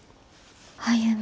歩。